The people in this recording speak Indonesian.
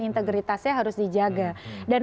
integritasnya harus dijaga dan